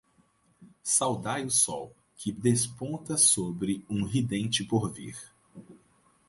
Saudai o Sol que desponta sobre um ridente porvir